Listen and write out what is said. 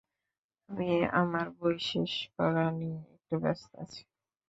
আমি আমার বই শেষ করা নিয়ে একটু ব্যস্ত আছি।